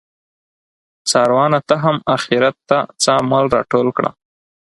څاروانه ته هم اخیرت ته څه عمل راټول کړه